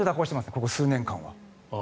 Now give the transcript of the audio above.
この数年間は。